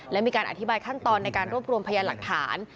และมีการอธิบายขั้นตอนในการรวบรวมพยานหลักฐาน